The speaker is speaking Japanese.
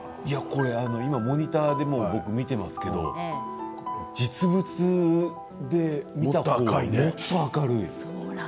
今モニターで僕見ていますけれど実物で見た方がもっと明るい。